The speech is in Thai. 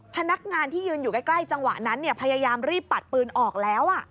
พนักงานที่ยืนอยู่ใกล้จังหวะนั้นพยายามรีบปัดปืนออกแล้ว